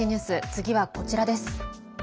次はこちらです。